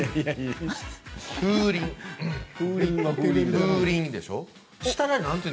風鈴でしょう？